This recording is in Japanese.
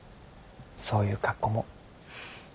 そういう格好も。